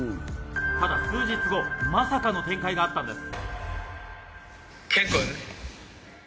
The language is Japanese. ただ数日後まさかの展開があったんです。